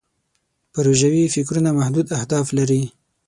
پروژوي فکرونه محدود اهداف لري.